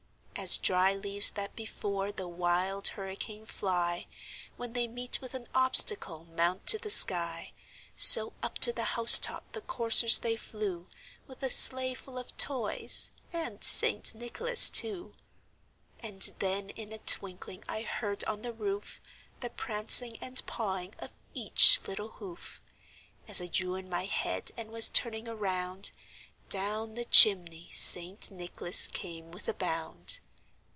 As dry leaves that before the wild hurricane fly, When they meet with an obstacle, mount to the sky, So, up to the house top the coursers they flew, With a sleigh full of toys and St. Nicholas too. And then in a twinkling I heard on the roof, The prancing and pawing of each little hoof. As I drew in my head, and was turning around, Down the chimney St. Nicholas came with a bound.